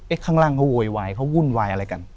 ข้างล่างเขาโวยวายเขาวุ่นวายอะไรกัน